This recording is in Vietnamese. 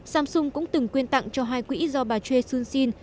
samsung cũng từng quyên tặng cho hai quỹ do bà choi soon sin